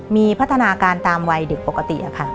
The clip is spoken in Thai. มีพัฒนาการตามวัยเด็กปกติค่ะ